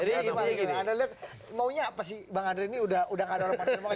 jadi ini pak anda lihat maunya apa sih bang andre ini udah gak ada orang partai demokrat